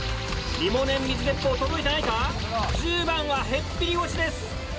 リモネン水鉄砲届いてないか⁉１０番はへっぴり腰です。